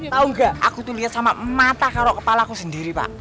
tau gak aku tuh liat sama mata karo kepala ku sendiri pak